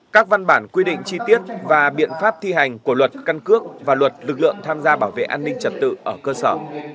các văn bản quy định chi tiết và biện pháp thi hành của luật căn cước và luật lực lượng tham gia bảo vệ an ninh trật tự ở cơ sở